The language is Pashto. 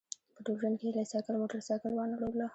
په ټول ژوند یې له سایکل موټرسایکل وانه ړوله.